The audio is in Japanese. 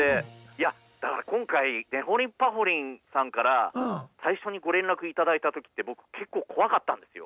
いやだから今回「ねほりんぱほりん」さんから最初にご連絡頂いた時って僕結構怖かったんですよ。